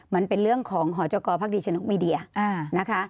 มันเป็นเรื่องของหอจกรภักดีชนกมีเดียนะคะ